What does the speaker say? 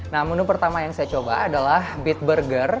nah menu pertama yang saya coba adalah beat burger